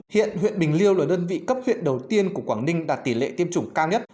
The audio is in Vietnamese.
hiện huyện bình liêu là đơn vị cấp huyện đầu tiên của quảng ninh đạt tỷ lệ tiêm chủng cao nhất